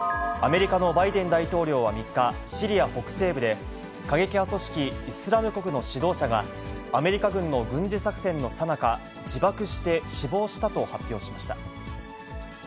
アメリカのバイデン大統領は３日、シリア北西部で、過激派組織イスラム国の指導者が、アメリカ軍の軍事作戦のさなか、自爆して死亡したと発表しました。